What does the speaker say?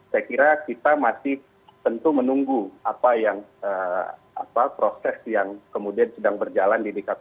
saya kira kita masih tentu menunggu apa yang proses yang kemudian sedang berjalan di dkp